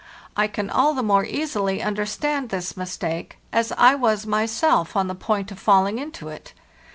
I can all the more easily understand this mistake, as I was myself on the point of falling into it.